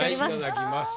頂きます。